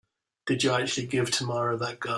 Did you actually give Tamara that gun?